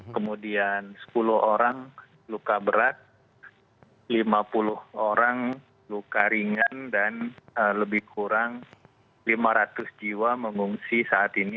kemudian sepuluh orang luka berat lima puluh orang luka ringan dan lebih kurang lima ratus jiwa mengungsi saat ini